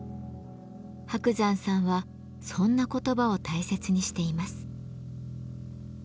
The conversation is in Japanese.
伯山さんはそんな言葉を大切にしています。